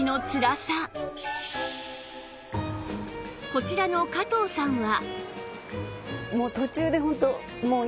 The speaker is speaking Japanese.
こちらの加藤さんは